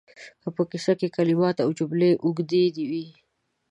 که په کیسه کې کلمات او جملې اوږدې وي